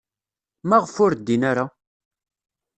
Maɣef ur ddin ara?